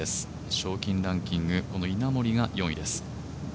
賞金ランキング、稲盛が４位です。